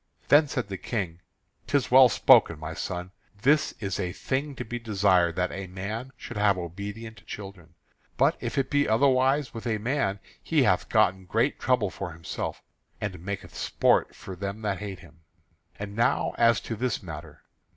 Then said the King: "'Tis well spoken, my son. This is a thing to be desired, that a man should have obedient children. But if it be otherwise with a man, he hath gotten great trouble for himself, and maketh sport for them that hate him. And now as to this matter.